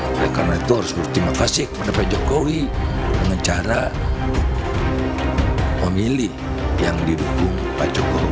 mereka harus berterima kasih kepada pak jokowi dengan cara memilih yang dirubung pak jokowi